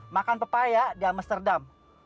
makan pepaya di amsterdam